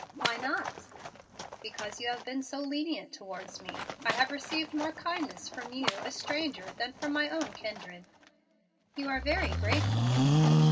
"Why not?" "Because you have been so lenient towards me. I have received more kindness from you, a stranger, than from my own kindred." "You are very grateful."